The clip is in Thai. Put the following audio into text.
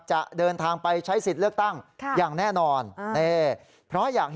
จะเดินทางไปใช้สิทธิ์เลือกตั้ง